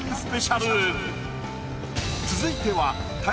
続いては。